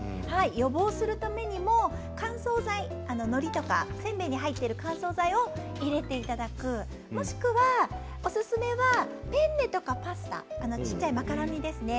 予防するためにも乾燥剤のりとかせんべいに入っている乾燥剤を入れていただくもしくはおすすめはペンネとかパスタ小さいマカロニですね。